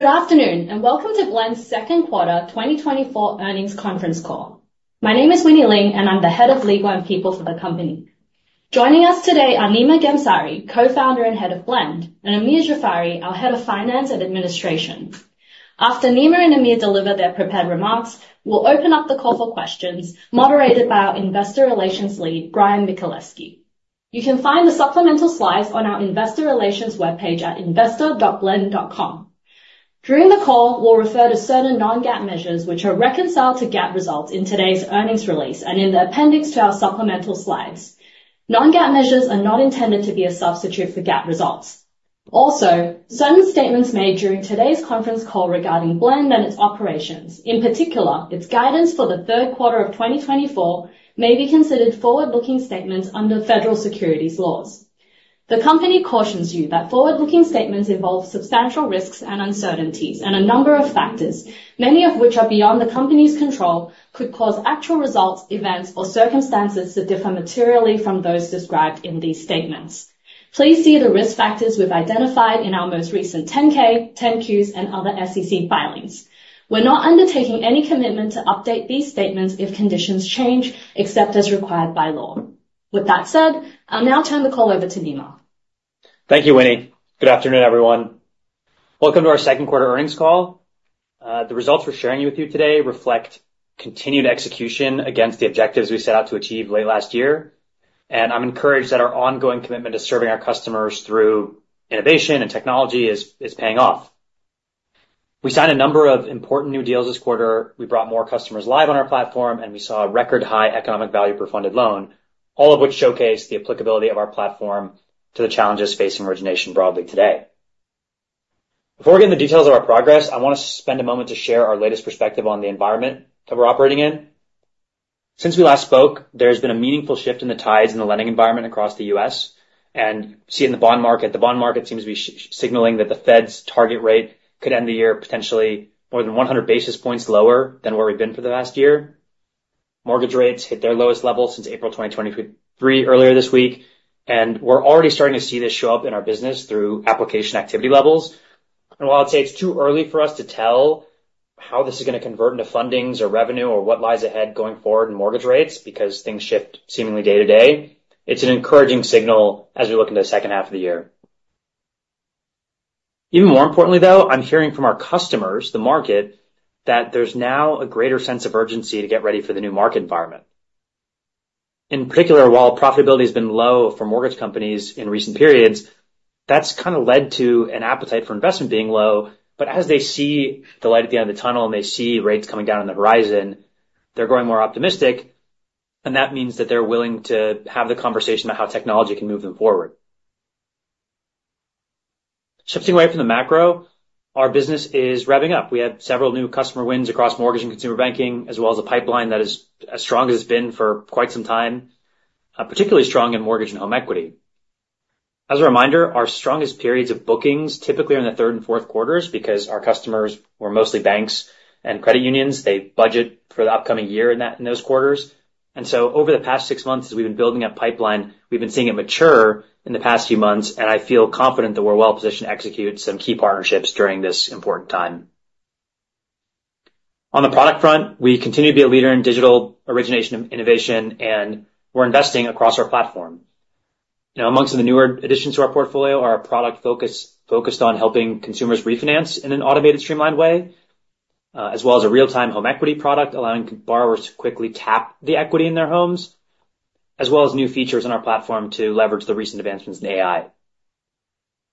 Good afternoon, and welcome to Blend's second quarter 2024 earnings conference call. My name is Winnie Ling, and I'm the Head of Legal and People for the company. Joining us today are Nima Ghamsari, Co-founder and Head of Blend, and Amir Jafari, our Head of Finance and Administration. After Nima and Amir deliver their prepared remarks, we'll open up the call for questions moderated by our Investor Relations lead, Bryan Michaleski. You can find the supplemental slides on our investor relations webpage at investor.blend.com. During the call, we'll refer to certain non-GAAP measures, which are reconciled to GAAP results in today's earnings release and in the appendix to our supplemental slides. Non-GAAP measures are not intended to be a substitute for GAAP results. Also, certain statements made during today's conference call regarding Blend and its operations, in particular, its guidance for the third quarter of 2024, may be considered forward-looking statements under federal securities laws. The company cautions you that forward-looking statements involve substantial risks and uncertainties, and a number of factors, many of which are beyond the company's control, could cause actual results, events, or circumstances to differ materially from those described in these statements. Please see the risk factors we've identified in our most recent 10-K, 10-Qs, and other SEC filings. We're not undertaking any commitment to update these statements if conditions change, except as required by law. With that said, I'll now turn the call over to Nima. Thank you, Winnie. Good afternoon, everyone. Welcome to our second quarter earnings call. The results we're sharing with you today reflect continued execution against the objectives we set out to achieve late last year, and I'm encouraged that our ongoing commitment to serving our customers through innovation and technology is paying off. We signed a number of important new deals this quarter. We brought more customers live on our platform, and we saw a record high economic value per funded loan, all of which showcase the applicability of our platform to the challenges facing origination broadly today. Before we get into the details of our progress, I want to spend a moment to share our latest perspective on the environment that we're operating in. Since we last spoke, there's been a meaningful shift in the tides in the lending environment across the U.S. and seeing the bond market. The bond market seems to be signaling that the Fed's target rate could end the year potentially more than 100 basis points lower than where we've been for the last year. Mortgage rates hit their lowest level since April 2023 earlier this week, and we're already starting to see this show up in our business through application activity levels. While I'd say it's too early for us to tell how this is going to convert into fundings or revenue or what lies ahead going forward in mortgage rates, because things shift seemingly day to day, it's an encouraging signal as we look into the second half of the year. Even more importantly, though, I'm hearing from our customers, the market, that there's now a greater sense of urgency to get ready for the new market environment. In particular, while profitability has been low for mortgage companies in recent periods, that's kind of led to an appetite for investment being low. But as they see the light at the end of the tunnel, and they see rates coming down on the horizon, they're growing more optimistic, and that means that they're willing to have the conversation about how technology can move them forward. Shifting away from the macro, our business is revving up. We had several new customer wins across mortgage and consumer banking, as well as a pipeline that is as strong as it's been for quite some time, particularly strong in mortgage and home equity. As a reminder, our strongest periods of bookings typically are in the third and fourth quarters because our customers are mostly banks and credit unions. They budget for the upcoming year in those quarters. So over the past six months, as we've been building up pipeline, we've been seeing it mature in the past few months, and I feel confident that we're well positioned to execute some key partnerships during this important time. On the product front, we continue to be a leader in digital origination and innovation, and we're investing across our platform. Now, among the newer additions to our portfolio are our product focused on helping consumers refinance in an automated, streamlined way, as well as a real-time home equity product, allowing borrowers to quickly tap the equity in their homes, as well as new features on our platform to leverage the recent advancements in AI.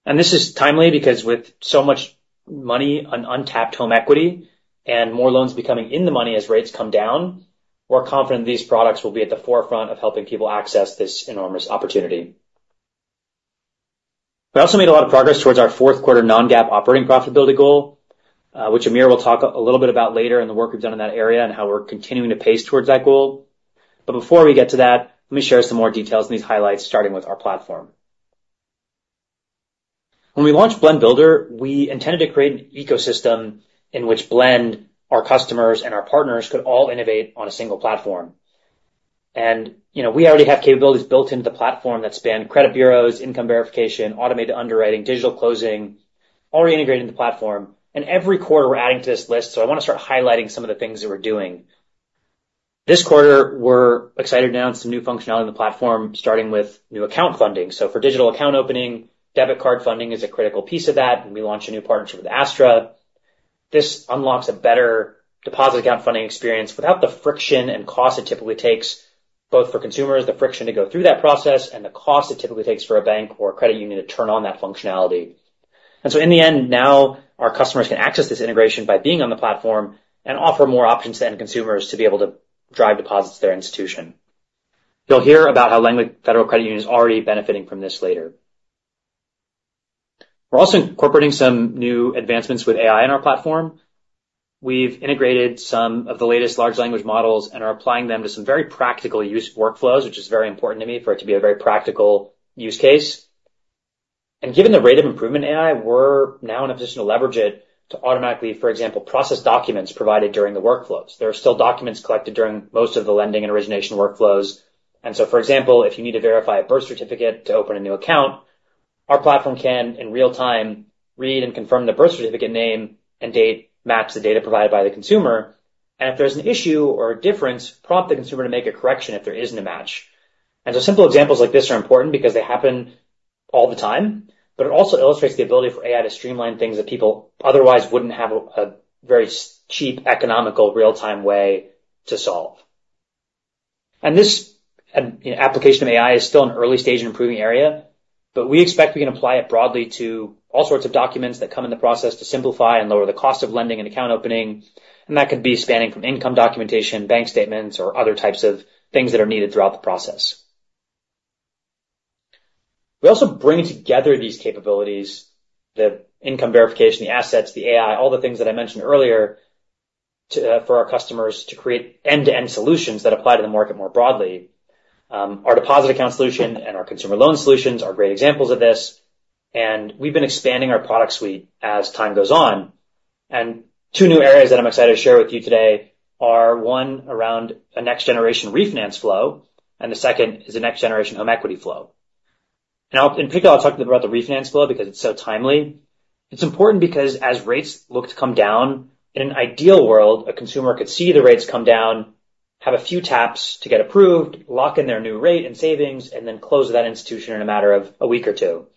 This is timely because with so much money on untapped home equity and more loans becoming in the money as rates come down, we're confident these products will be at the forefront of helping people access this enormous opportunity. We also made a lot of progress towards our fourth quarter non-GAAP operating profitability goal, which Amir will talk a little bit about later in the work we've done in that area and how we're continuing to pace towards that goal. But before we get to that, let me share some more details on these highlights, starting with our platform. When we launched Blend Builder, we intended to create an ecosystem in which Blend, our customers, and our partners could all innovate on a single platform. And, you know, we already have capabilities built into the platform that span credit bureaus, income verification, automated underwriting, digital closing, all integrated into the platform, and every quarter, we're adding to this list. So I want to start highlighting some of the things that we're doing. This quarter, we're excited to announce some new functionality in the platform, starting with new account funding. So for digital account opening, debit card funding is a critical piece of that, and we launched a new partnership with Astra. This unlocks a better deposit account funding experience without the friction and cost it typically takes, both for consumers, the friction to go through that process and the cost it typically takes for a bank or credit union to turn on that functionality. And so in the end, now our customers can access this integration by being on the platform and offer more options to end consumers to be able to drive deposits to their institution. You'll hear about how Langley Federal Credit Union is already benefiting from this later. We're also incorporating some new advancements with AI in our platform. We've integrated some of the latest large language models and are applying them to some very practical use workflows, which is very important to me, for it to be a very practical use case. And given the rate of improvement in AI, we're now in a position to leverage it to automatically, for example, process documents provided during the workflows. There are still documents collected during most of the lending and origination workflows... For example, if you need to verify a birth certificate to open a new account, our platform can, in real time, read and confirm the birth certificate name and date, match the data provided by the consumer, and if there's an issue or a difference, prompt the consumer to make a correction if there isn't a match. Simple examples like this are important because they happen all the time, but it also illustrates the ability for AI to streamline things that people otherwise wouldn't have a very cheap, economical, real-time way to solve. This, you know, application of AI is still an early stage and improving area, but we expect we can apply it broadly to all sorts of documents that come in the process to simplify and lower the cost of lending and account opening, and that could be spanning from income documentation, bank statements, or other types of things that are needed throughout the process. We also bring together these capabilities, the income verification, the assets, the AI, all the things that I mentioned earlier, to, for our customers to create end-to-end solutions that apply to the market more broadly. Our deposit account solution and our consumer loan solutions are great examples of this, and we've been expanding our product suite as time goes on. And two new areas that I'm excited to share with you today are, one, around a next-generation refinance flow, and the second is a next-generation home equity flow. Now, in particular, I'll talk about the refinance flow because it's so timely. It's important because as rates look to come down, in an ideal world, a consumer could see the rates come down, have a few taps to get approved, lock in their new rate and savings, and then close that institution in a matter of a week or two.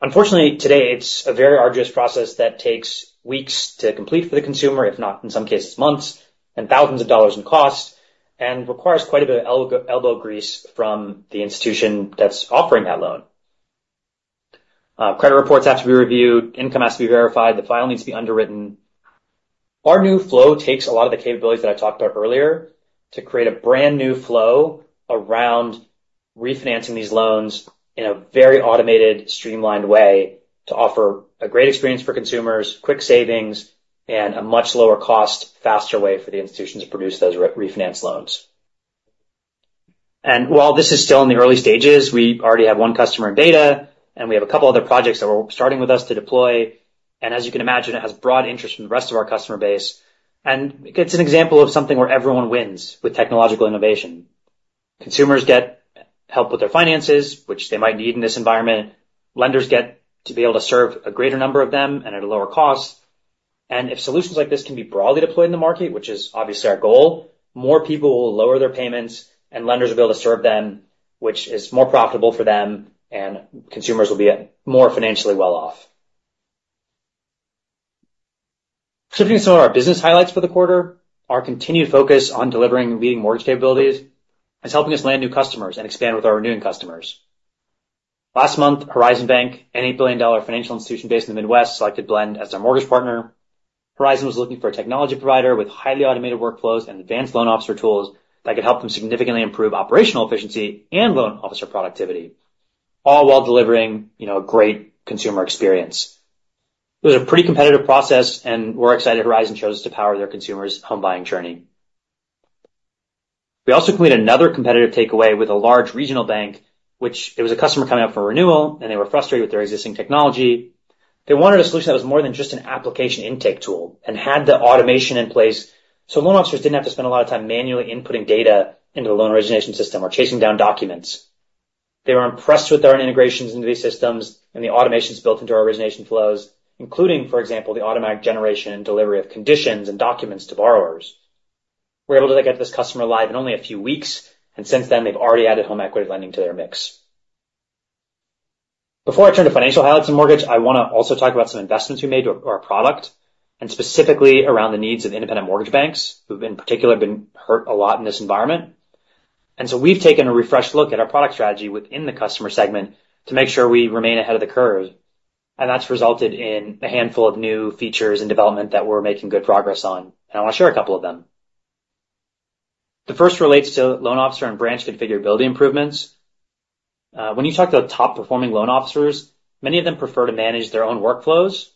Unfortunately, today, it's a very arduous process that takes weeks to complete for the consumer, if not, in some cases, months, and thousands of dollars in costs, and requires quite a bit of elbow, elbow grease from the institution that's offering that loan. Credit reports have to be reviewed, income has to be verified, the file needs to be underwritten. Our new flow takes a lot of the capabilities that I talked about earlier to create a brand-new flow around refinancing these loans in a very automated, streamlined way to offer a great experience for consumers, quick savings, and a much lower cost, faster way for the institution to produce those refinance loans. And while this is still in the early stages, we already have one customer in beta, and we have a couple other projects that we're starting with us to deploy. And as you can imagine, it has broad interest from the rest of our customer base, and it's an example of something where everyone wins with technological innovation. Consumers get help with their finances, which they might need in this environment. Lenders get to be able to serve a greater number of them and at a lower cost. If solutions like this can be broadly deployed in the market, which is obviously our goal, more people will lower their payments and lenders will be able to serve them, which is more profitable for them, and consumers will be more financially well off. Shifting to some of our business highlights for the quarter, our continued focus on delivering leading mortgage capabilities is helping us land new customers and expand with our renewing customers. Last month, Horizon Bank, an $8 billion financial institution based in the Midwest, selected Blend as their mortgage partner. Horizon was looking for a technology provider with highly automated workflows and advanced loan officer tools that could help them significantly improve operational efficiency and loan officer productivity, all while delivering, you know, a great consumer experience. It was a pretty competitive process, and we're excited Horizon chose us to power their consumers' home buying journey. We also completed another competitive takeaway with a large regional bank, which it was a customer coming up for renewal, and they were frustrated with their existing technology. They wanted a solution that was more than just an application intake tool and had the automation in place, so loan officers didn't have to spend a lot of time manually inputting data into the loan origination system or chasing down documents. They were impressed with our integrations into these systems and the automations built into our origination flows, including, for example, the automatic generation and delivery of conditions and documents to borrowers. We were able to get this customer live in only a few weeks, and since then, they've already added home equity lending to their mix. Before I turn to financial highlights in mortgage, I want to also talk about some investments we made to our product, and specifically around the needs of independent mortgage banks, who've, in particular, been hurt a lot in this environment. And so we've taken a refreshed look at our product strategy within the customer segment to make sure we remain ahead of the curve, and that's resulted in a handful of new features and development that we're making good progress on, and I want to share a couple of them. The first relates to loan officer and branch configurability improvements. When you talk to the top-performing loan officers, many of them prefer to manage their own workflows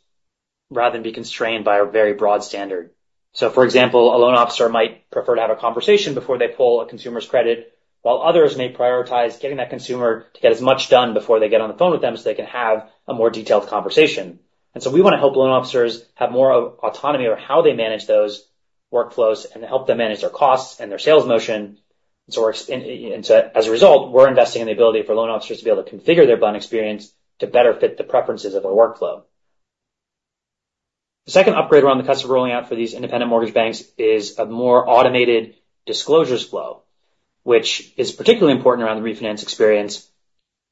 rather than be constrained by a very broad standard. So, for example, a loan officer might prefer to have a conversation before they pull a consumer's credit, while others may prioritize getting that consumer to get as much done before they get on the phone with them, so they can have a more detailed conversation. And so we want to help loan officers have more autonomy over how they manage those workflows and help them manage their costs and their sales motion. So we're and so, as a result, we're investing in the ability for loan officers to be able to configure their Blend experience to better fit the preferences of their workflow. The second upgrade we're on the customer rolling out for these independent mortgage banks is a more automated disclosures flow, which is particularly important around the refinance experience,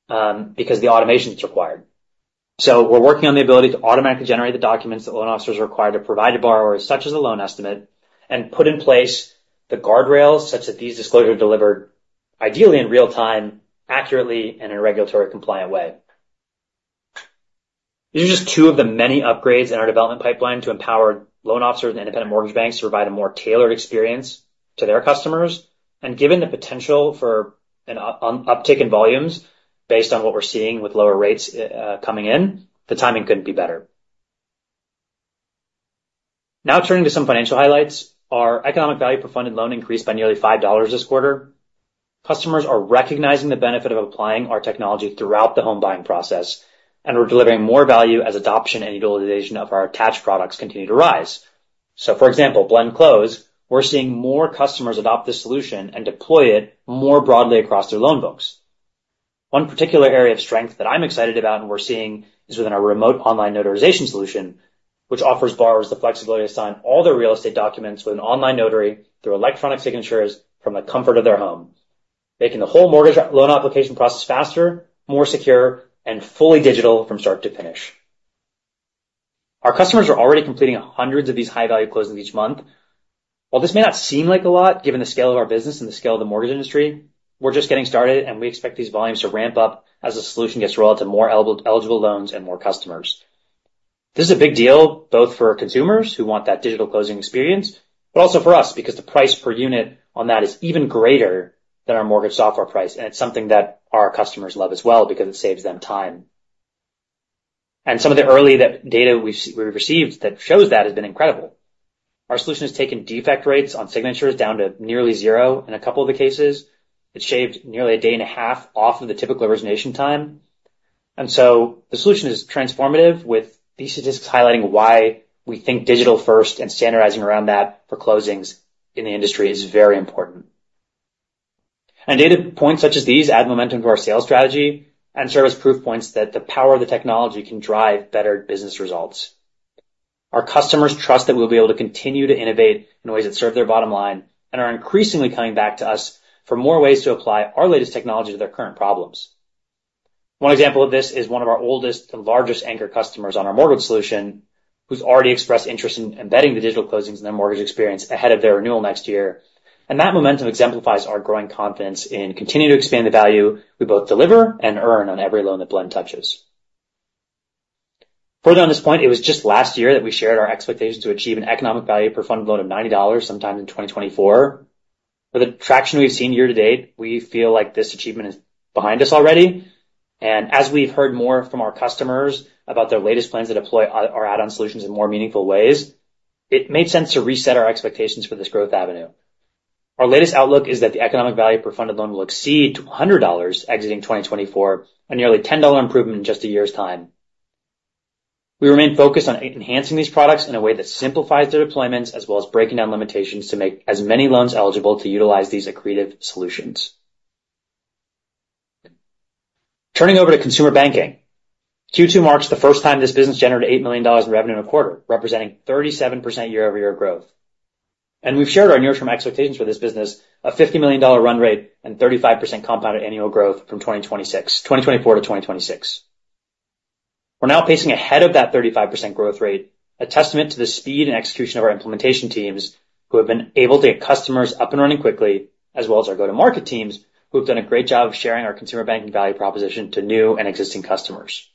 because the automation's required. So we're working on the ability to automatically generate the documents that loan officers are required to provide to borrowers, such as a loan estimate, and put in place the guardrails such that these disclosures are delivered, ideally in real time, accurately, and in a regulatory compliant way. These are just two of the many upgrades in our development pipeline to empower loan officers and independent mortgage banks to provide a more tailored experience to their customers. Given the potential for an uptick in volumes, based on what we're seeing with lower rates coming in, the timing couldn't be better. Now turning to some financial highlights. Our economic value per funded loan increased by nearly $5 this quarter. Customers are recognizing the benefit of applying our technology throughout the home buying process, and we're delivering more value as adoption and utilization of our attached products continue to rise. So for example, Blend Close, we're seeing more customers adopt this solution and deploy it more broadly across their loan books. One particular area of strength that I'm excited about and we're seeing is within our remote online notarization solution, which offers borrowers the flexibility to sign all their real estate documents with an online notary through electronic signatures from the comfort of their home, making the whole mortgage loan application process faster, more secure, and fully digital from start to finish. Our customers are already completing hundreds of these high-value closings each month. While this may not seem like a lot, given the scale of our business and the scale of the mortgage industry, we're just getting started, and we expect these volumes to ramp up as the solution gets rolled out to more eligible loans and more customers. This is a big deal, both for consumers who want that digital closing experience, but also for us, because the price per unit on that is even greater than our mortgage software price, and it's something that our customers love as well because it saves them time. Some of the early data we've received that shows that has been incredible. Our solution has taken defect rates on signatures down to nearly zero in a couple of the cases. It's shaved nearly a day and a half off of the typical origination time. And so the solution is transformative, with these statistics highlighting why we think digital first and standardizing around that for closings in the industry is very important. Data points such as these add momentum to our sales strategy and serve as proof points that the power of the technology can drive better business results. Our customers trust that we'll be able to continue to innovate in ways that serve their bottom line and are increasingly coming back to us for more ways to apply our latest technology to their current problems. One example of this is one of our oldest and largest anchor customers on our mortgage solution, who's already expressed interest in embedding the digital closings in their mortgage experience ahead of their renewal next year. That momentum exemplifies our growing confidence and continue to expand the value we both deliver and earn on every loan that Blend touches. Further on this point, it was just last year that we shared our expectations to achieve an economic value per funded loan of $90 sometime in 2024. With the traction we've seen year to date, we feel like this achievement is behind us already. As we've heard more from our customers about their latest plans to deploy our add-on solutions in more meaningful ways, it made sense to reset our expectations for this growth avenue. Our latest outlook is that the economic value per funded loan will exceed $200 exiting 2024, a nearly $10 improvement in just a year's time. We remain focused on enhancing these products in a way that simplifies their deployments, as well as breaking down limitations to make as many loans eligible to utilize these accretive solutions. Turning over to consumer banking. Q2 marks the first time this business generated $8 million in revenue in a quarter, representing 37% year-over-year growth. We've shared our near-term expectations for this business, a $50 million run rate and 35% compounded annual growth from 2024-2026. We're now pacing ahead of that 35% growth rate, a testament to the speed and execution of our implementation teams, who have been able to get customers up and running quickly, as well as our go-to-market teams, who have done a great job of sharing our consumer banking value proposition to new and existing customers.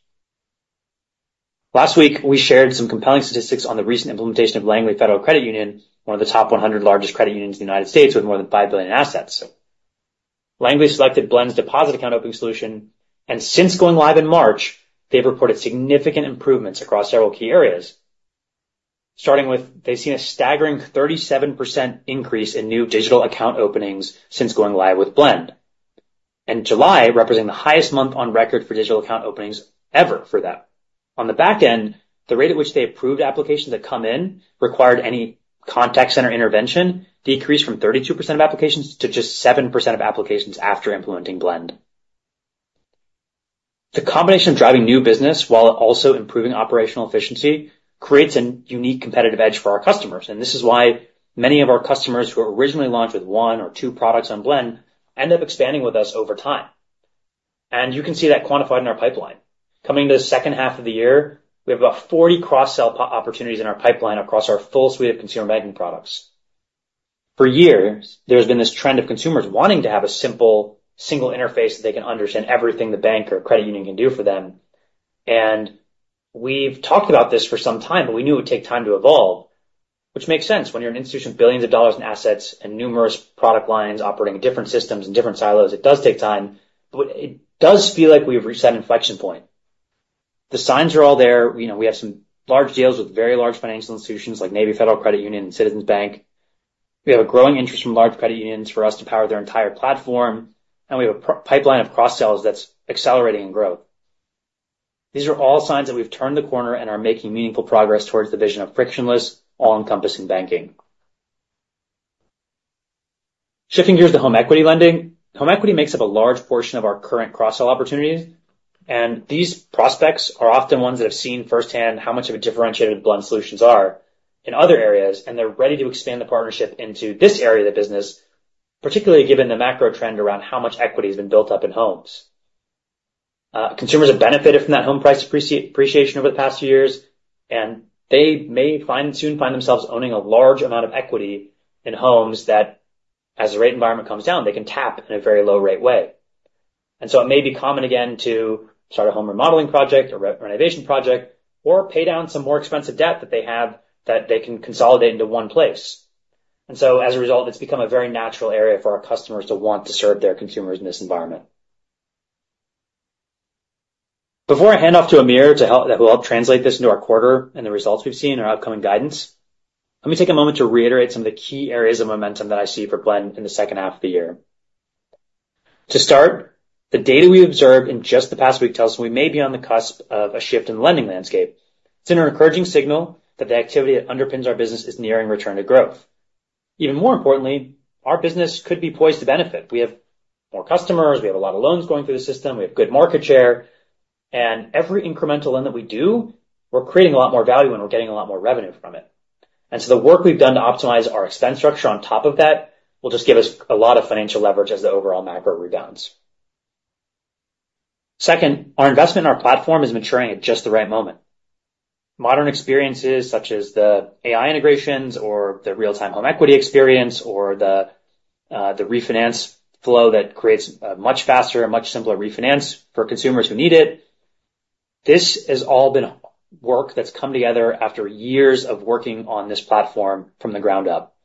Last week, we shared some compelling statistics on the recent implementation of Langley Federal Credit Union, one of the top 100 largest credit unions in the United States, with more than $5 billion in assets. Langley selected Blend's deposit account opening solution, and since going live in March, they've reported significant improvements across several key areas. Starting with, they've seen a staggering 37% increase in new digital account openings since going live with Blend, and July representing the highest month on record for digital account openings ever for them. On the back end, the rate at which they approved applications that come in required any contact center intervention decreased from 32% of applications to just 7% of applications after implementing Blend. The combination of driving new business while also improving operational efficiency creates a unique competitive edge for our customers. And this is why many of our customers who originally launched with 1 or 2 products on Blend end up expanding with us over time. And you can see that quantified in our pipeline. Coming to the second half of the year, we have about 40 cross-sell opportunities in our pipeline across our full suite of consumer banking products. For years, there's been this trend of consumers wanting to have a simple single interface that they can understand everything the bank or credit union can do for them. And we've talked about this for some time, but we knew it would take time to evolve, which makes sense. When you're an institution with billions of dollars in assets and numerous product lines operating in different systems and different silos, it does take time, but it does feel like we've reached that inflection point. The signs are all there. You know, we have some large deals with very large financial institutions, like Navy Federal Credit Union and Citizens Bank. We have a growing interest from large credit unions for us to power their entire platform, and we have a pipeline of cross-sells that's accelerating in growth. These are all signs that we've turned the corner and are making meaningful progress towards the vision of frictionless, all-encompassing banking. Shifting gears to home equity lending. Home equity makes up a large portion of our current cross-sell opportunities, and these prospects are often ones that have seen firsthand how much of a differentiated Blend solutions are in other areas, and they're ready to expand the partnership into this area of the business, particularly given the macro trend around how much equity has been built up in homes. Consumers have benefited from that home price appreciation over the past few years, and they may soon find themselves owning a large amount of equity in homes that, as the rate environment comes down, they can tap in a very low-rate way. And so it may be common again to start a home remodeling project or renovation project or pay down some more expensive debt that they have that they can consolidate into one place. And so as a result, it's become a very natural area for our customers to want to serve their consumers in this environment. Before I hand off to Amir to help, that will help translate this into our quarter and the results we've seen in our upcoming guidance, let me take a moment to reiterate some of the key areas of momentum that I see for Blend in the second half of the year. To start, the data we observed in just the past week tells us we may be on the cusp of a shift in the lending landscape. It's an encouraging signal that the activity that underpins our business is nearing return to growth. Even more importantly, our business could be poised to benefit. We have more customers, we have a lot of loans going through the system, we have good market share, and every incremental loan that we do, we're creating a lot more value and we're getting a lot more revenue from it. And so the work we've done to optimize our expense structure on top of that will just give us a lot of financial leverage as the overall macro rebounds. Second, our investment in our platform is maturing at just the right moment. Modern experiences, such as the AI integrations, or the real-time home equity experience, or the refinance flow that creates a much faster and much simpler refinance for consumers who need it, this has all been work that's come together after years of working on this platform from the ground up.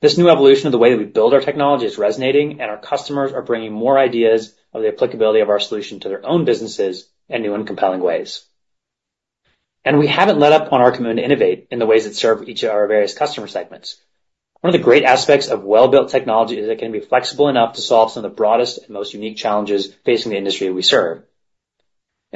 This new evolution of the way we build our technology is resonating, and our customers are bringing more ideas of the applicability of our solution to their own businesses in new and compelling ways. And we haven't let up on our commitment to innovate in the ways that serve each of our various customer segments. One of the great aspects of well-built technology is it can be flexible enough to solve some of the broadest and most unique challenges facing the industry we serve.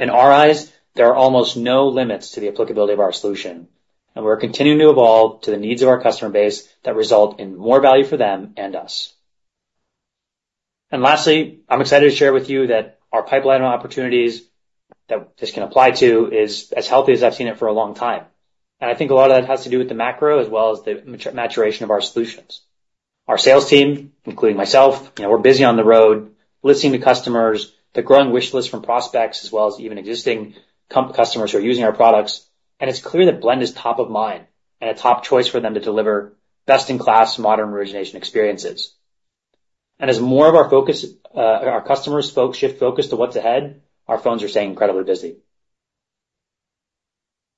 In our eyes, there are almost no limits to the applicability of our solution, and we're continuing to evolve to the needs of our customer base that result in more value for them and us. And lastly, I'm excited to share with you that our pipeline of opportunities that this can apply to is as healthy as I've seen it for a long time. And I think a lot of that has to do with the macro as well as the maturation of our solutions. Our sales team, including myself, you know, we're busy on the road, listening to customers, the growing wish list from prospects, as well as even existing customers who are using our products, and it's clear that Blend is top of mind and a top choice for them to deliver best-in-class modern origination experiences. As more of our customers focus shifts to what's ahead, our phones are staying incredibly busy.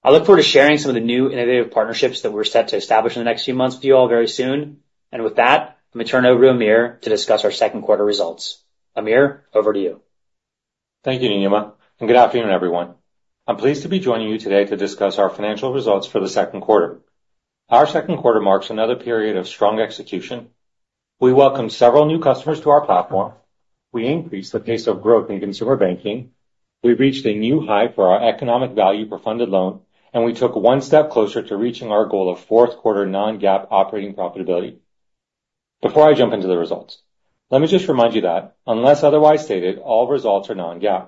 I look forward to sharing some of the new innovative partnerships that we're set to establish in the next few months with you all very soon. And with that, let me turn it over to Amir to discuss our second quarter results. Amir, over to you. Thank you, Nima, and good afternoon, everyone. I'm pleased to be joining you today to discuss our financial results for the second quarter. Our second quarter marks another period of strong execution. We welcomed several new customers to our platform. We increased the pace of growth in consumer banking. We reached a new high for our economic value per funded loan, and we took one step closer to reaching our goal of fourth quarter non-GAAP operating profitability. Before I jump into the results, let me just remind you that unless otherwise stated, all results are non-GAAP.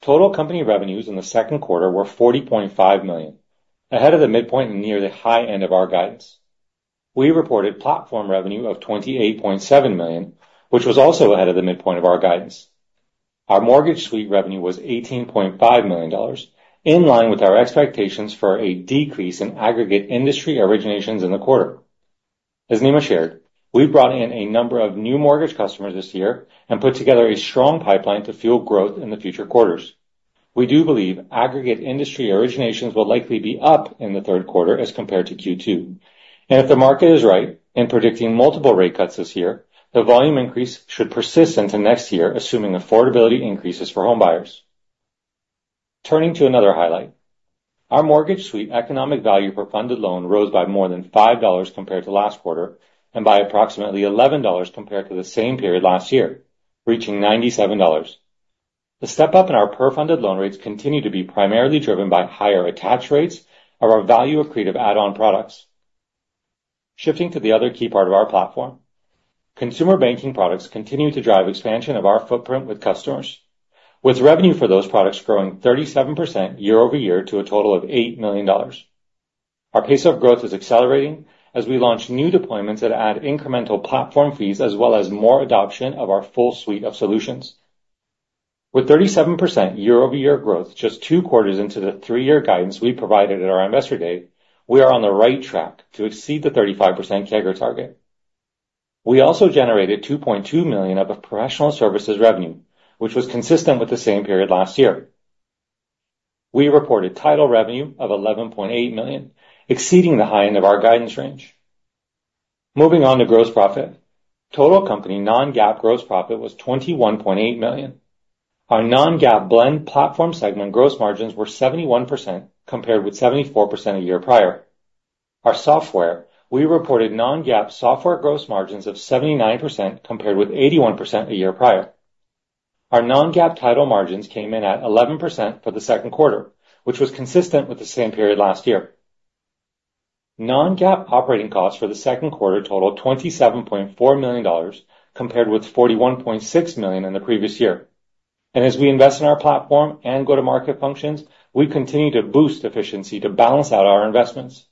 Total company revenues in the second quarter were $40.5 million, ahead of the midpoint and near the high end of our guidance. We reported platform revenue of $28.7 million, which was also ahead of the midpoint of our guidance. Our Mortgage Suite revenue was $18.5 million, in line with our expectations for a decrease in aggregate industry originations in the quarter. As Nima shared, we've brought in a number of new mortgage customers this year and put together a strong pipeline to fuel growth in the future quarters. We do believe aggregate industry originations will likely be up in the third quarter as compared to Q2. And if the market is right in predicting multiple rate cuts this year, the volume increase should persist into next year, assuming affordability increases for homebuyers. Turning to another highlight, our Mortgage Suite economic value per funded loan rose by more than $5 compared to last quarter, and by approximately $11 compared to the same period last year, reaching $97. The step up in our per funded loan rates continue to be primarily driven by higher attach rates of our value-accretive add-on products. Shifting to the other key part of our platform, Consumer Banking Products continue to drive expansion of our footprint with customers, with revenue for those products growing 37% year-over-year to a total of $8 million. Our pace of growth is accelerating as we launch new deployments that add incremental platform fees, as well as more adoption of our full suite of solutions. With 37% year-over-year growth, just two quarters into the three-year guidance we provided at our Investor Day, we are on the right track to exceed the 35% CAGR target. We also generated $2.2 million of Professional Services revenue, which was consistent with the same period last year. We reported title revenue of $11.8 million, exceeding the high end of our guidance range. Moving on to gross profit. Total company non-GAAP gross profit was $21.8 million. Our non-GAAP Blend platform segment gross margins were 71%, compared with 74% a year prior. Our software, we reported non-GAAP software gross margins of 79%, compared with 81% a year prior. Our non-GAAP title margins came in at 11% for the second quarter, which was consistent with the same period last year. Non-GAAP operating costs for the second quarter totaled $27.4 million, compared with $41.6 million in the previous year. As we invest in our platform and go-to-market functions, we continue to boost efficiency to balance out our investments.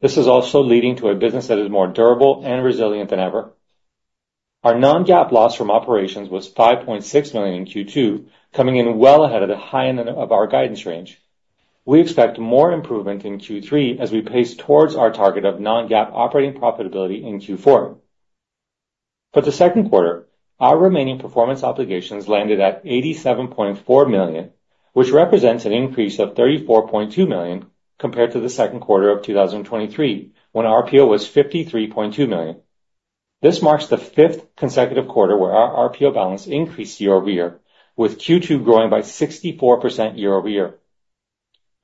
This is also leading to a business that is more durable and resilient than ever. Our non-GAAP loss from operations was $5.6 million in Q2, coming in well ahead of the high end of our guidance range. We expect more improvement in Q3 as we pace towards our target of non-GAAP operating profitability in Q4. For the second quarter, our remaining performance obligations landed at $87.4 million, which represents an increase of $34.2 million compared to the second quarter of 2023, when RPO was $53.2 million. This marks the fifth consecutive quarter where our RPO balance increased year-over-year, with Q2 growing by 64% year-over-year....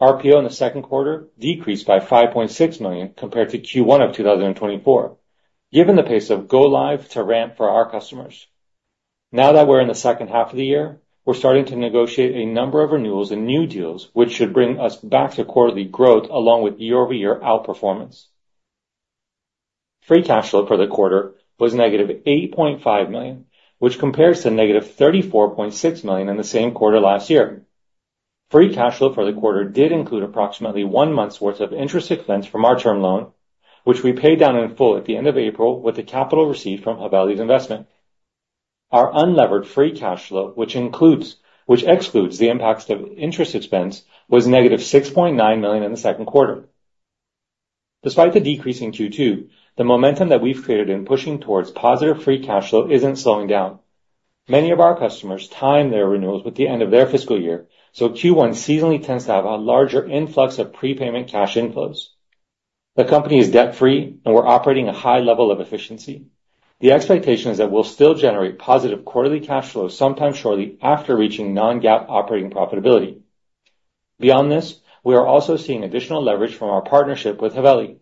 RPO in the second quarter decreased by $5.6 million compared to Q1 of 2024, given the pace of go live to ramp for our customers. Now that we're in the second half of the year, we're starting to negotiate a number of renewals and new deals, which should bring us back to quarterly growth, along with year-over-year outperformance. Free cash flow for the quarter was negative $8.5 million, which compares to negative $34.6 million in the same quarter last year. Free cash flow for the quarter did include approximately one month's worth of interest expense from our term loan, which we paid down in full at the end of April with the capital received from Haveli's investment. Our unlevered free cash flow, which excludes the impacts of interest expense, was negative $6.9 million in the second quarter. Despite the decrease in Q2, the momentum that we've created in pushing towards positive free cash flow isn't slowing down. Many of our customers time their renewals with the end of their fiscal year, so Q1 seasonally tends to have a larger influx of prepayment cash inflows. The company is debt-free, and we're operating a high level of efficiency. The expectation is that we'll still generate positive quarterly cash flow sometime shortly after reaching non-GAAP operating profitability. Beyond this, we are also seeing additional leverage from our partnership with Haveli.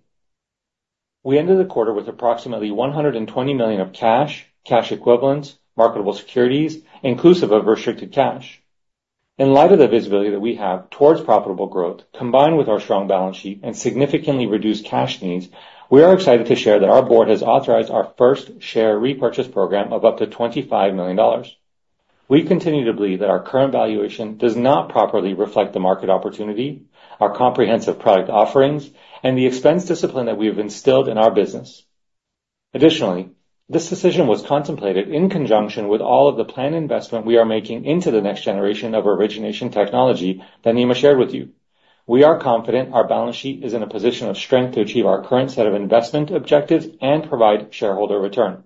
We ended the quarter with approximately $120 million of cash, cash equivalents, marketable securities, inclusive of restricted cash. In light of the visibility that we have towards profitable growth, combined with our strong balance sheet and significantly reduced cash needs, we are excited to share that our board has authorized our first share repurchase program of up to $25 million. We continue to believe that our current valuation does not properly reflect the market opportunity, our comprehensive product offerings, and the expense discipline that we have instilled in our business. Additionally, this decision was contemplated in conjunction with all of the planned investment we are making into the next generation of origination technology that Nima shared with you. We are confident our balance sheet is in a position of strength to achieve our current set of investment objectives and provide shareholder return.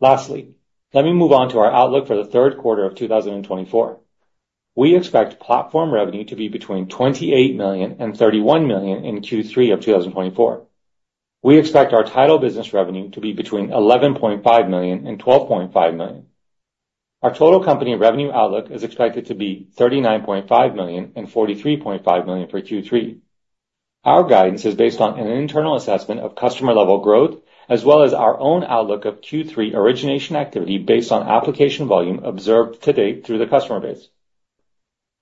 Lastly, let me move on to our outlook for the third quarter of 2024. We expect platform revenue to be between $28 million and $31 million in Q3 of 2024. We expect our title business revenue to be between $11.5 million and $12.5 million. Our total company revenue outlook is expected to be $39.5 million and $43.5 million for Q3. Our guidance is based on an internal assessment of customer-level growth, as well as our own outlook of Q3 origination activity, based on application volume observed to date through the customer base.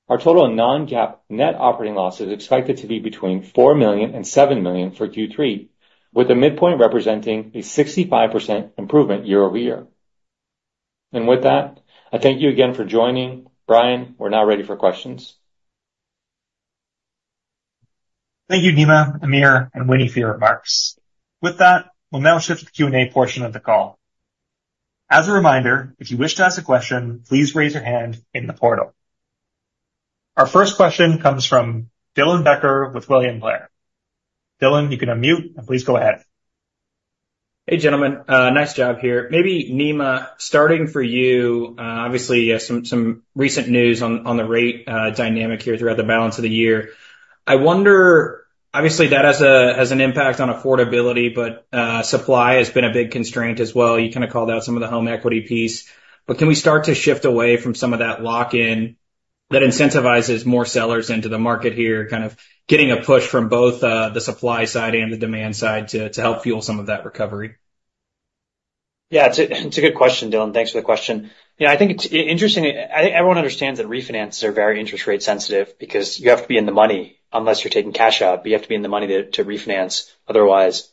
Our total non-GAAP net operating loss is expected to be between $4 million and $7 million for Q3, with the midpoint representing a 65% improvement year-over-year. And with that, I thank you again for joining. Bryan, we're now ready for questions. Thank you, Nima, Amir, and Winnie, for your remarks. With that, we'll now shift to the Q&A portion of the call. As a reminder, if you wish to ask a question, please raise your hand in the portal. Our first question comes from Dylan Becker with William Blair. Dylan, you can unmute, and please go ahead. Hey, gentlemen, nice job here. Maybe Nima, starting for you, obviously, you have some recent news on the rate dynamic here throughout the balance of the year. I wonder, obviously, that has an impact on affordability, but supply has been a big constraint as well. You kind of called out some of the home equity piece, but can we start to shift away from some of that lock-in that incentivizes more sellers into the market here, kind of getting a push from both the supply side and the demand side to help fuel some of that recovery? Yeah, it's a good question, Dylan. Thanks for the question. You know, I think it's interesting. Everyone understands that refinances are very interest rate sensitive because you have to be in the money. Unless you're taking cash out, but you have to be in the money to refinance otherwise.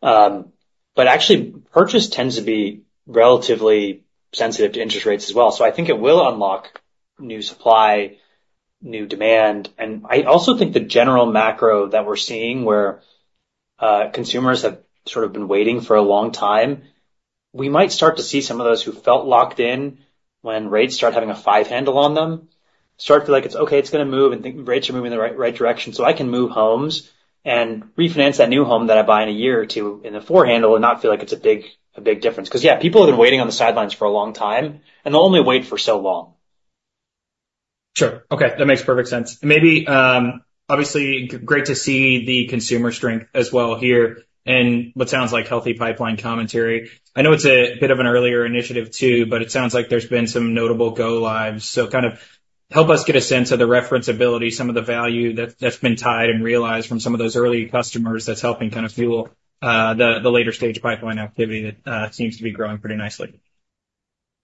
But actually, purchase tends to be relatively sensitive to interest rates as well. So I think it will unlock new supply, new demand, and I also think the general macro that we're seeing, where consumers have sort of been waiting for a long time. We might start to see some of those who felt locked in when rates start having a five handle on them, start to feel like it's okay, it's gonna move, and think rates are moving in the right, right direction, so I can move homes and refinance that new home that I buy in a year or two in the four handle and not feel like it's a big, a big difference. 'Cause yeah, people have been waiting on the sidelines for a long time, and they'll only wait for so long. Sure. Okay, that makes perfect sense. Maybe, obviously, great to see the consumer strength as well here and what sounds like healthy pipeline commentary. I know it's a bit of an earlier initiative, too, but it sounds like there's been some notable go lives. So kind of help us get a sense of the referenceability, some of the value that's been tied and realized from some of those early customers that's helping kind of fuel the later stage pipeline activity that seems to be growing pretty nicely.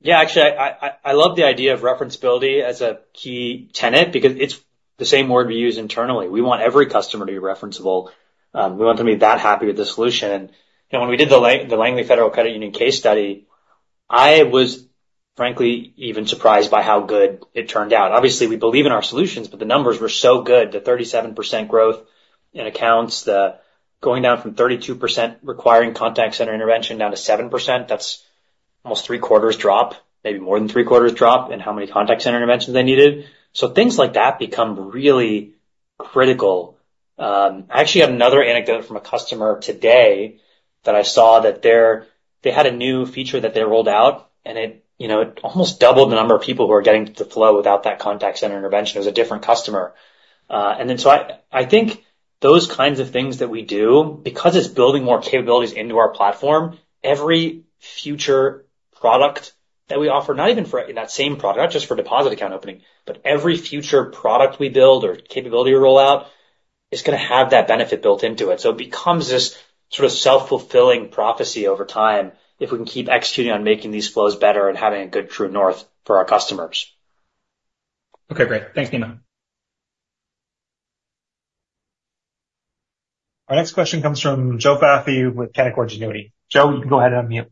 Yeah, actually, I love the idea of referenceability as a key tenet because it's the same word we use internally. We want every customer to be referenceable. We want them to be that happy with the solution. And when we did the Langley Federal Credit Union case study, I was frankly even surprised by how good it turned out. Obviously, we believe in our solutions, but the numbers were so good, the 37% growth in accounts, the going down from 32%, requiring contact center intervention down to 7%, that's almost three-quarters drop, maybe more than three-quarters drop in how many contact center interventions they needed. So things like that become really critical. I actually have another anecdote from a customer today that I saw that they had a new feature that they rolled out, and it, you know, it almost doubled the number of people who are getting the flow without that contact center intervention. It was a different customer.... and then so I think those kinds of things that we do, because it's building more capabilities into our platform, every future product that we offer, not even for in that same product, not just for deposit account opening, but every future product we build or capability we roll out is going to have that benefit built into it. So it becomes this sort of self-fulfilling prophecy over time if we can keep executing on making these flows better and having a good true north for our customers. Okay, great. Thanks, Nima. Our next question comes from Joe Vafi with Canaccord Genuity. Joe, you can go ahead and unmute.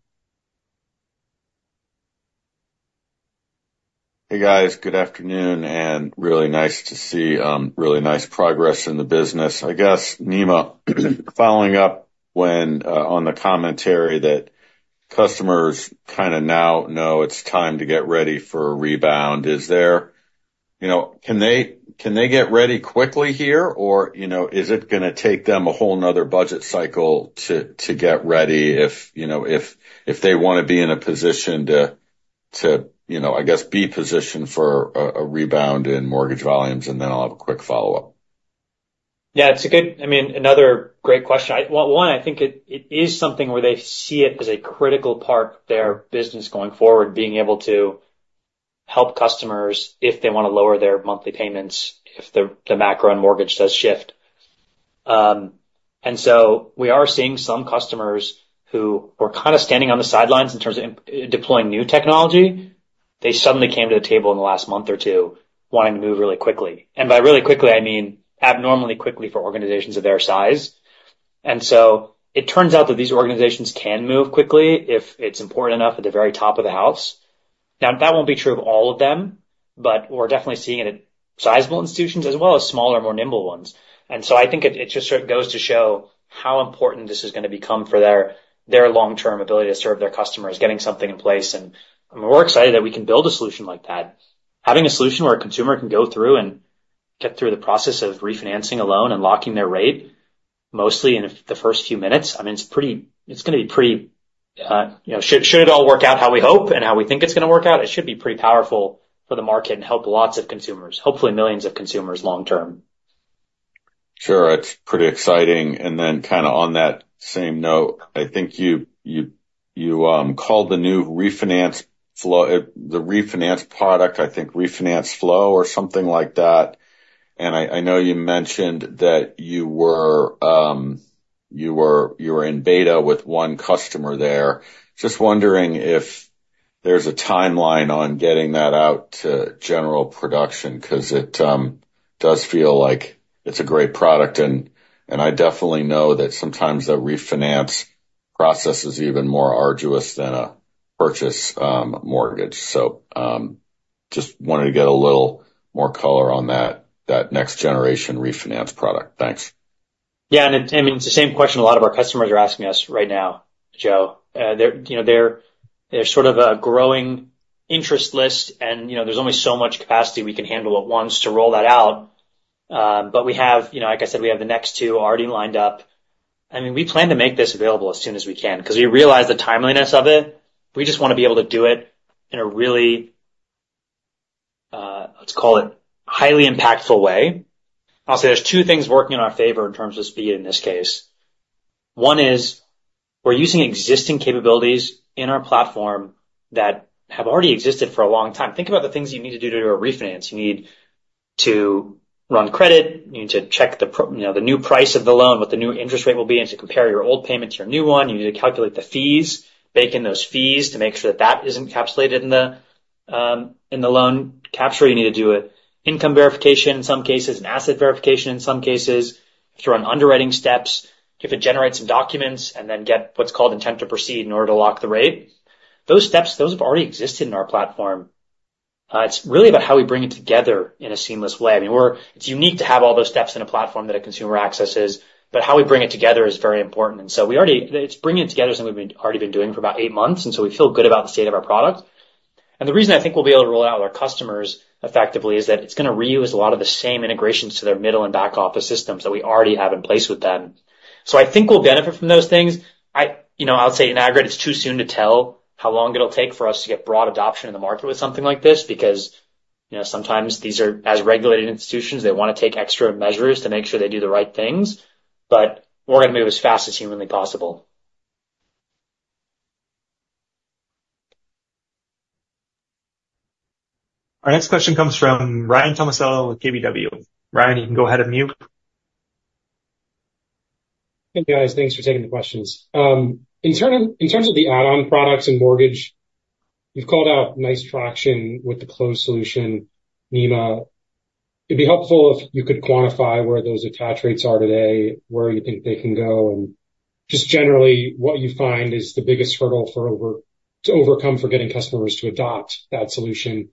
Hey, guys. Good afternoon, and really nice to see really nice progress in the business. I guess, Nima, following up on the commentary that customers kind of now know it's time to get ready for a rebound, is there... You know, can they, can they get ready quickly here, or, you know, is it going to take them a whole another budget cycle to get ready if, you know, if, if they want to be in a position to, to, you know, I guess, be positioned for a rebound in mortgage volumes? And then I'll have a quick follow-up. Yeah, it's a good—I mean, another great question. Well, one, I think it, it is something where they see it as a critical part of their business going forward, being able to help customers if they want to lower their monthly payments, if the, the macro and mortgage does shift. And so we are seeing some customers who were kind of standing on the sidelines in terms of deploying new technology. They suddenly came to the table in the last month or two, wanting to move really quickly. And by really quickly, I mean abnormally quickly for organizations of their size. And so it turns out that these organizations can move quickly if it's important enough at the very top of the house. Now, that won't be true of all of them, but we're definitely seeing it at sizable institutions as well as smaller, more nimble ones. And so I think it just sort of goes to show how important this is going to become for their long-term ability to serve their customers, getting something in place, and we're more excited that we can build a solution like that. Having a solution where a consumer can go through and get through the process of refinancing a loan and locking their rate, mostly in the first few minutes, I mean, it's pretty. It's going to be pretty, you know, should it all work out how we hope and how we think it's going to work out, it should be pretty powerful for the market and help lots of consumers, hopefully millions of consumers long term. Sure, it's pretty exciting. And then kind of on that same note, I think you called the new refinance flow, the refinance product, I think, Refinance Flow or something like that. And I know you mentioned that you were in beta with one customer there. Just wondering if there's a timeline on getting that out to general production, 'cause it does feel like it's a great product, and I definitely know that sometimes the refinance process is even more arduous than a purchase mortgage. So, just wanted to get a little more color on that next generation refinance product. Thanks. Yeah, and it, I mean, it's the same question a lot of our customers are asking us right now, Joe. They're, you know, there's sort of a growing interest list, and, you know, there's only so much capacity we can handle at once to roll that out. But we have, you know, like I said, we have the next two already lined up. I mean, we plan to make this available as soon as we can, 'cause we realize the timeliness of it. We just want to be able to do it in a really, let's call it, highly impactful way. I'll say there's two things working in our favor in terms of speed in this case. One is we're using existing capabilities in our platform that have already existed for a long time. Think about the things you need to do to a refinance. You need to run credit, you need to check the you know, the new price of the loan, what the new interest rate will be, and to compare your old payment to your new one, you need to calculate the fees, bake in those fees to make sure that is encapsulated in the in the loan capture. You need to do an income verification, in some cases, an asset verification in some cases. You have to run underwriting steps. You have to generate some documents and then get what's called intent to proceed in order to lock the rate. Those steps, those have already existed in our platform. It's really about how we bring it together in a seamless way. I mean, it's unique to have all those steps in a platform that a consumer accesses, but how we bring it together is very important. And so we already—it's bringing it together, something we've already been doing for about eight months, and so we feel good about the state of our product. And the reason I think we'll be able to roll out our customers effectively is that it's going to reuse a lot of the same integrations to their middle and back office systems that we already have in place with them. So I think we'll benefit from those things. I... You know, I would say in aggregate, it's too soon to tell how long it'll take for us to get broad adoption in the market with something like this, because, you know, sometimes these, as regulated institutions, they want to take extra measures to make sure they do the right things, but we're going to move as fast as humanly possible. Our next question comes from Ryan Tomasello with KBW. Ryan, you can go ahead and unmute. Hey, guys. Thanks for taking the questions. In terms of the add-on products and mortgage, you've called out nice traction with the Close solution, Nima. It'd be helpful if you could quantify where those attach rates are today, where you think they can go, and just generally, what you find is the biggest hurdle to overcome for getting customers to adopt that solution.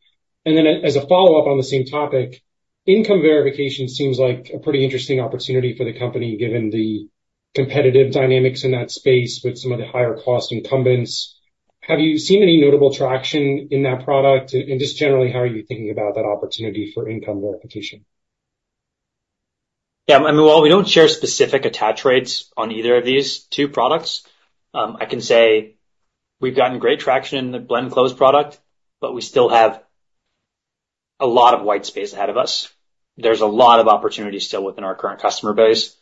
And then as a follow-up on the same topic, income verification seems like a pretty interesting opportunity for the company, given the competitive dynamics in that space with some of the higher-cost incumbents. Have you seen any notable traction in that product? And just generally, how are you thinking about that opportunity for income verification?... Yeah, I mean, while we don't share specific attach rates on either of these two products, I can say we've gotten great traction in the Blend Close product, but we still have a lot of white space ahead of us. There's a lot of opportunity still within our current customer base.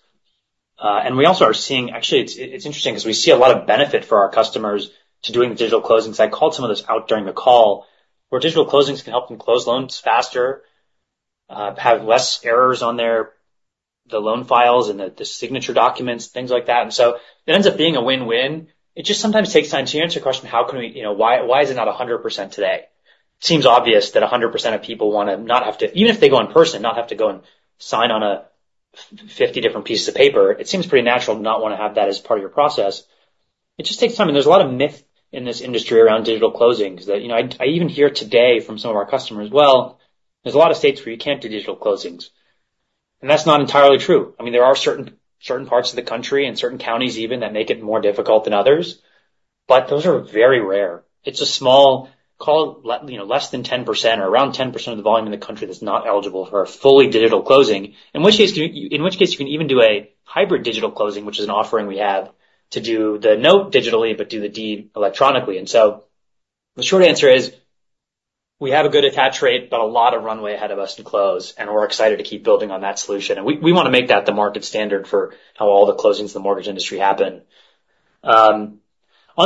And we also are seeing. Actually, it's interesting, because we see a lot of benefit for our customers to doing digital closings. I called some of this out during the call, where digital closings can help them close loans faster, have less errors on their, the loan files and the, the signature documents, things like that. And so it ends up being a win-win. It just sometimes takes time. To answer your question, how can we, you know, why, why is it not 100% today? Seems obvious that 100% of people want to not have to—even if they go in person, not have to go and sign on 50 different pieces of paper. It seems pretty natural to not want to have that as part of your process. It just takes time, and there's a lot of myth in this industry around digital closings that, you know... I even hear today from some of our customers, "Well, there's a lot of states where you can't do digital closings." And that's not entirely true. I mean, there are certain parts of the country and certain counties even, that make it more difficult than others, but those are very rare. It's a small, you know, less than 10% or around 10% of the volume in the country that's not eligible for a fully digital closing. In which case, you can even do a hybrid digital closing, which is an offering we have to do the note digitally, but do the deed electronically. And so the short answer is, we have a good attach rate, but a lot of runway ahead of us to close, and we're excited to keep building on that solution. And we want to make that the market standard for how all the closings in the mortgage industry happen. On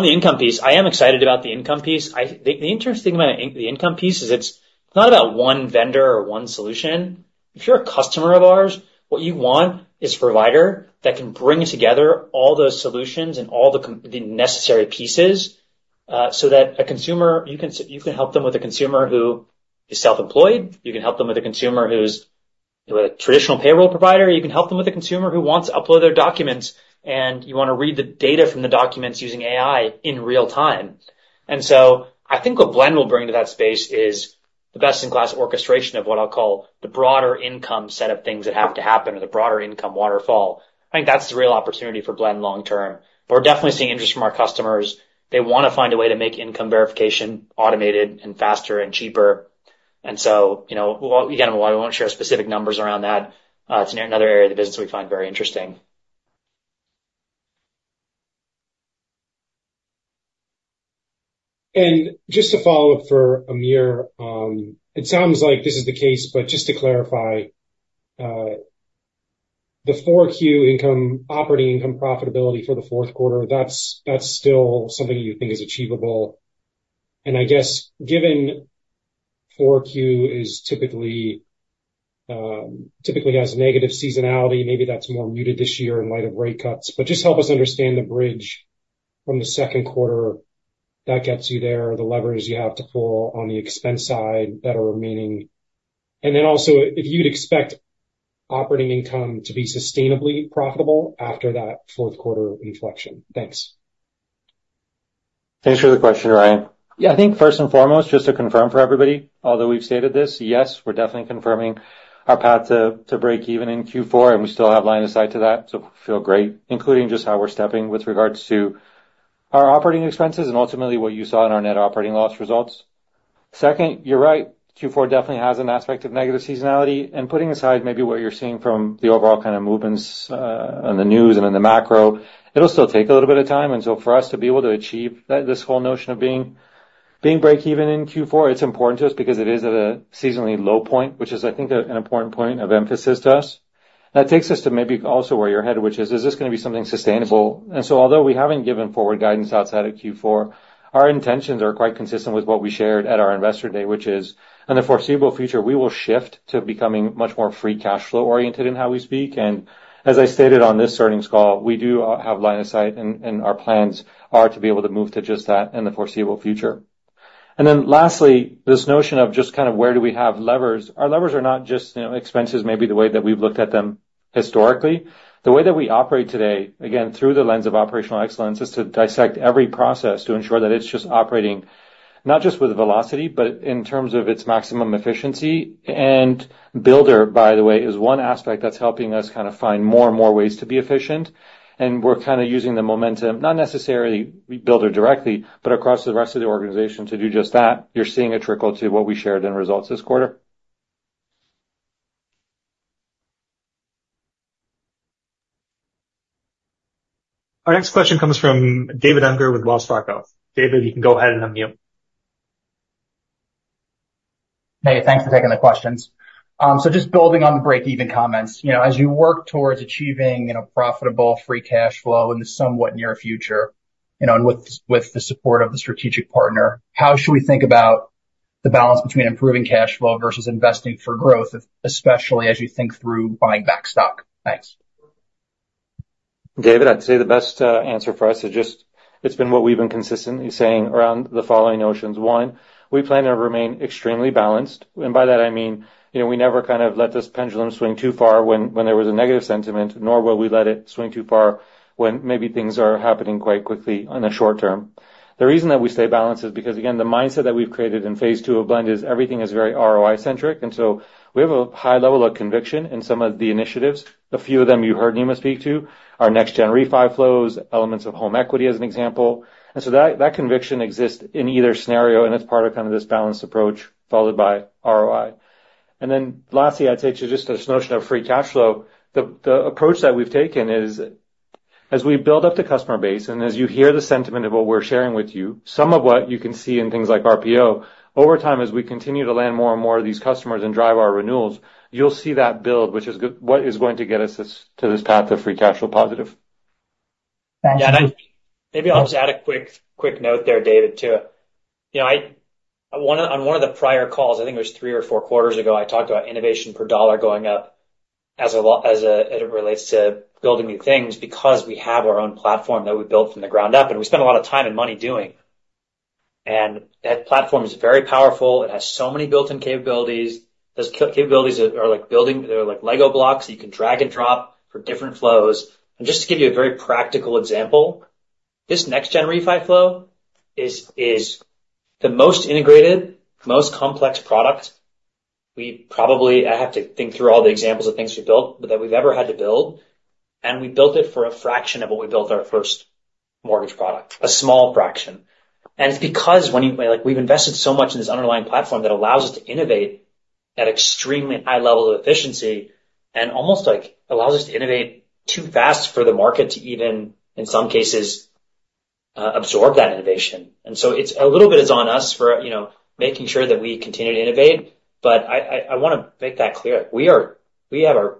the income piece, I am excited about the income piece. The interesting about the income piece is it's not about one vendor or one solution. If you're a customer of ours, what you want is a provider that can bring together all those solutions and all the necessary pieces, so that a consumer, you can help them with a consumer who is self-employed. You can help them with a consumer who's with a traditional payroll provider. You can help them with a consumer who wants to upload their documents, and you want to read the data from the documents using AI in real time. And so I think what Blend will bring to that space is the best-in-class orchestration of what I'll call the broader income set of things that have to happen, or the broader income waterfall. I think that's the real opportunity for Blend long term. But we're definitely seeing interest from our customers. They want to find a way to make income verification automated and faster and cheaper. And so, you know, we, again, while we won't share specific numbers around that, it's another area of the business we find very interesting. Just to follow up for Amir, it sounds like this is the case, but just to clarify, the 4Q income, operating income profitability for the fourth quarter, that's, that's still something you think is achievable? I guess, given 4Q is typically has negative seasonality, maybe that's more muted this year in light of rate cuts. But just help us understand the bridge from the second quarter that gets you there, the levers you have to pull on the expense side that are remaining. Then also, if you'd expect operating income to be sustainably profitable after that fourth quarter inflection. Thanks. Thanks for the question, Ryan. Yeah, I think first and foremost, just to confirm for everybody, although we've stated this, yes, we're definitely confirming our path to break even in Q4, and we still have line of sight to that, so feel great, including just how we're stepping with regards to our operating expenses and ultimately what you saw in our net operating loss results. Second, you're right, Q4 definitely has an aspect of negative seasonality, and putting aside maybe what you're seeing from the overall kind of movements on the news and in the macro, it'll still take a little bit of time. And so for us to be able to achieve that, this whole notion of being break even in Q4, it's important to us because it is at a seasonally low point, which is, I think, an important point of emphasis to us. That takes us to maybe also where you're headed, which is, is this going to be something sustainable? And so although we haven't given forward guidance outside of Q4, our intentions are quite consistent with what we shared at our Investor Day, which is, in the foreseeable future, we will shift to becoming much more free cash flow-oriented in how we speak. And as I stated on this earnings call, we do have line of sight, and our plans are to be able to move to just that in the foreseeable future. And then lastly, this notion of just kind of where do we have levers? Our levers are not just, you know, expenses, maybe the way that we've looked at them historically. The way that we operate today, again, through the lens of operational excellence, is to dissect every process to ensure that it's just operating not just with velocity, but in terms of its maximum efficiency. Builder, by the way, is one aspect that's helping us kind of find more and more ways to be efficient. We're kind of using the momentum, not necessarily Builder directly, but across the rest of the organization to do just that. You're seeing a trickle to what we shared in results this quarter. Our next question comes from David Unger with Wells Fargo. David, you can go ahead and unmute. Hey, thanks for taking the questions. So just building on the break-even comments, you know, as you work towards achieving, you know, profitable free cash flow in the somewhat near future, you know, and with the support of the strategic partner, how should we think about the balance between improving cash flow versus investing for growth, especially as you think through buying back stock? Thanks. David, I'd say the best answer for us is just—it's been what we've been consistently saying around the following notions. One, we plan to remain extremely balanced, and by that I mean, you know, we never kind of let this pendulum swing too far when, when there was a negative sentiment, nor will we let it swing too far when maybe things are happening quite quickly in the short term. The reason that we stay balanced is because, again, the mindset that we've created in phase two of Blend is everything is very ROI-centric, and so we have a high level of conviction in some of the initiatives. A few of them you heard Nima speak to, our next-gen refi flows, elements of home equity, as an example. And so that conviction exists in either scenario, and it's part of kind of this balanced approach, followed by ROI. And then lastly, I'd say to just this notion of free cash flow, the approach that we've taken is, as we build up the customer base, and as you hear the sentiment of what we're sharing with you, some of what you can see in things like RPO, over time, as we continue to land more and more of these customers and drive our renewals, you'll see that build, which is good, what is going to get us to this path of free cash flow positive. Yeah, and maybe I'll just add a quick, quick note there, David, too. You know, I on one of the prior calls, I think it was three or four quarters ago, I talked about innovation per dollar going up as it relates to building new things, because we have our own platform that we built from the ground up, and we spent a lot of time and money doing. And that platform is very powerful. It has so many built-in capabilities. Those capabilities are like building, they're like Lego blocks that you can drag and drop for different flows. And just to give you a very practical example, this next-gen refi flow is the most integrated, most complex product. We probably. I have to think through all the examples of things we've built, but that we've ever had to build, and we built it for a fraction of what we built our first mortgage product, a small fraction. And it's because when you, like, we've invested so much in this underlying platform that allows us to innovate at extremely high level of efficiency and almost, like, allows us to innovate too fast for the market to even, in some cases, absorb that innovation. And so it's a little bit is on us for, you know, making sure that we continue to innovate. But I, I, I want to make that clear. We have our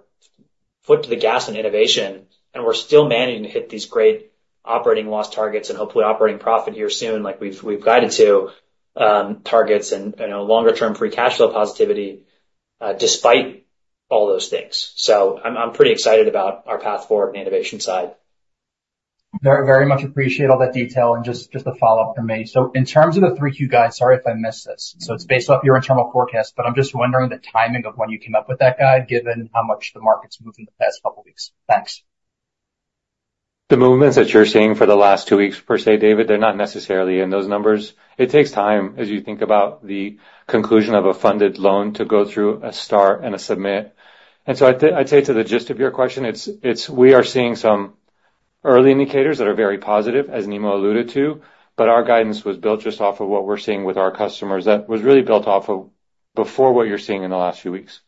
foot to the gas in innovation, and we're still managing to hit these great operating loss targets and hopefully operating profit here soon, like we've guided to targets and a longer-term free cash flow positivity, despite all those things. So I'm pretty excited about our path forward on the innovation side. Very, very much appreciate all that detail, and just a follow-up from me. So in terms of the 3Q guide, sorry if I missed this. So it's based off your internal forecast, but I'm just wondering the timing of when you came up with that guide, given how much the market's moved in the past couple weeks. Thanks. The movements that you're seeing for the last two weeks, per se, David, they're not necessarily in those numbers. It takes time, as you think about the conclusion of a funded loan, to go through a start and a submit. I'd say to the gist of your question, it's, it's we are seeing some early indicators that are very positive, as Nima alluded to, but our guidance was built just off of what we're seeing with our customers. That was really built off of before what you're seeing in the last few weeks.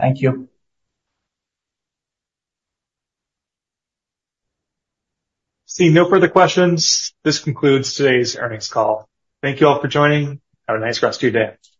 Thank you. Seeing no further questions, this concludes today's earnings call. Thank you all for joining. Have a nice rest of your day.